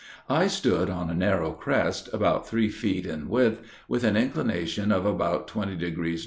I stood on a narrow crest, about three feet in width, with an inclination of about 20° N.